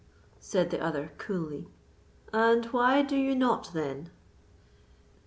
said the other, coolly; "and why do you not then?"